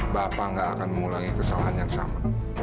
bapak nggak akan mengulangi kesalahan yang sama